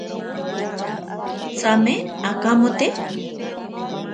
Tsame akamote.